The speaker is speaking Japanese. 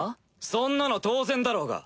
そんなの当然だろうが！